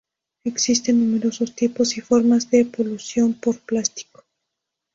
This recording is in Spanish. Existen numerosos tipos y formas de polución por plástico.